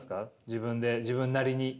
自分で自分なりに。